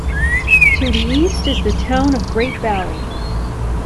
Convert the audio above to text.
To the east is the town of Great Valley.